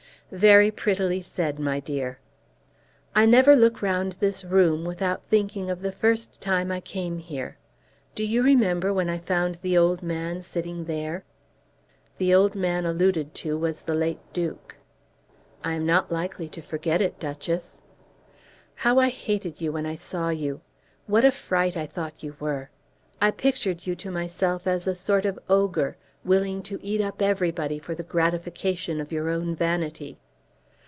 "Very prettily said, my dear. I never look round this room without thinking of the first time I came here. Do you remember, when I found the old man sitting there?" The old man alluded to was the late Duke. "I am not likely to forget it, Duchess." "How I hated you when I saw you! What a fright I thought you were! I pictured you to myself as a sort of ogre, willing to eat up everybody for the gratification of your own vanity."